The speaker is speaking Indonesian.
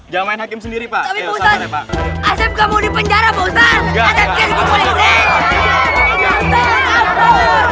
jangan main hakim sendiri pak tapi buktar asep kamu di penjara buktar asep kamu di penjara